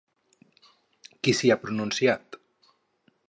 Qui s'hi ha pronunciat?